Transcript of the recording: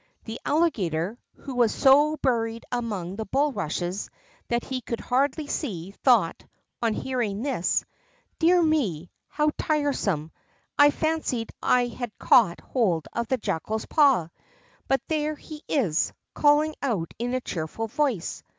The Alligator, who was so buried among the bulrushes that he could hardly see, thought, on hearing this: "Dear me, how tiresome! I fancied I had caught hold of the Jackal's paw; but there he is, calling out in a cheerful voice.